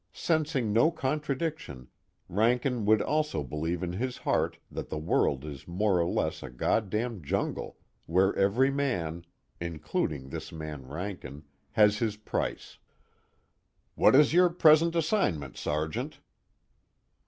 Sensing no contradiction, Rankin would also believe in his heart that the world is more or less a God damn jungle where every man (including this man Rankin) has his price. "What is your present assignment, Sergeant?"